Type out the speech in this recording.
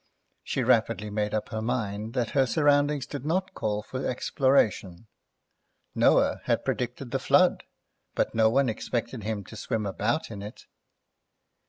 She rapidly made up her mind that her surroundings did not call for exploration; Noah had predicted the Flood, but no one expected him to swim about in it.